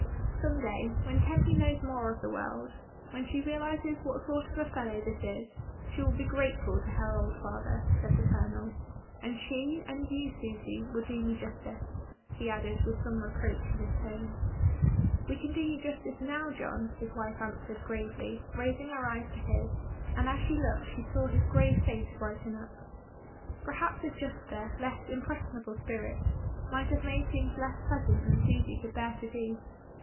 "Some day, when Tempy knows more of the world, when she realises what sort of a fellow this is, she will be grateful to her old father," said the Colonel; "and she and you, Susy, will do me justice," he added, with some reproach in his tone. STELLA MEA. 1 83 "We can do you justice now, John," his wife answered, gravely, raising her eyes to his, and as she looked she saw his grave face brighten up. Perhaps a juster, less impressionable spirit might have made things less pleasant than Susy could bear to do.